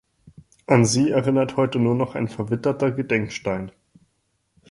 An sie erinnert heute nur noch ein verwitterter Gedenkstein.